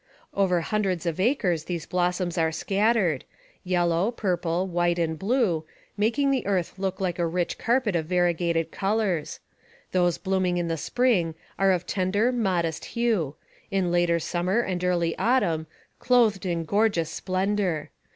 Over hundreds of acres these blossoms are scattered, yellow, purple, white, and blue, making the earth look like a rich carpet of variegated colors ; those blooming in spring are of tender, modest hue, in later summer and early autumn clothed in gorgeous splendor.